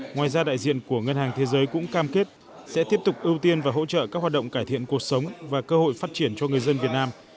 ngoài ra đại diện của ngân hàng thế giới cũng cam kết sẽ tiếp tục ưu tiên và hỗ trợ các hoạt động cải thiện cuộc sống và cơ hội phát triển cho người dân việt nam